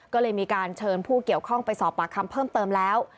ก็เลยมีการเชิญผู้เกี่ยวข้องไปสอบปากคำเพิ่มเติมแล้ว